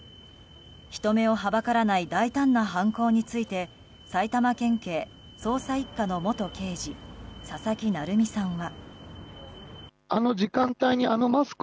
人目をはばからない大胆な犯行について埼玉県警捜査１課の元刑事佐々木成三さんは。